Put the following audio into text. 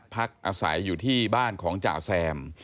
พักอาศัยอยู่ที่บ้านของจ่าแซม